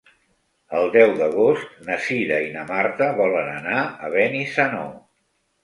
El deu d'agost na Cira i na Marta volen anar a Benissanó.